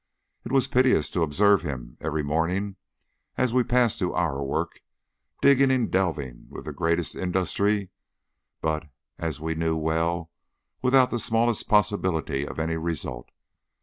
It was piteous to observe him every morning as we passed to our work, digging and delving with the greatest industry, but, as we knew well, without the smallest possibility of any result.